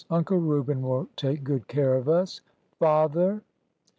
Uncle Reuben will take good care of us. Father!"